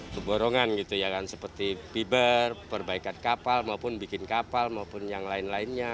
keborongan seperti fiber perbaikan kapal maupun bikin kapal maupun yang lain lainnya